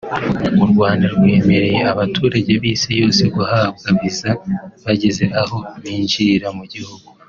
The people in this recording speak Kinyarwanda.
U Rwanda rwemereye abaturage b’isi yose guhabwa viza bageze aho binjirira mu gihugu